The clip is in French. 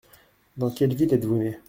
Dans quelle ville êtes-vous né ?